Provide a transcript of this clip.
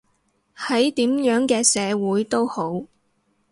喺點樣嘅社會都好